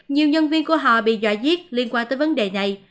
nhiều nhân viên của họ bị dọa giết liên quan tới vấn đề này